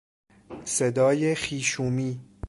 صدای خیشومی